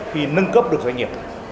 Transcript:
khi nâng cấp được doanh nghiệp